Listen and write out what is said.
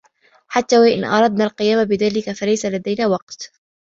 حتى وإن أردنا القيام بذلك فليس لدينا وقت.